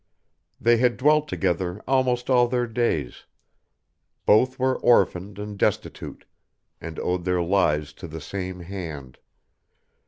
They had dwelt together almost all their days: both were orphaned and destitute, and owed their lives to the same hand.